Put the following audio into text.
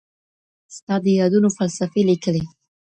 ستا د يادونو فلسفې ليكلي.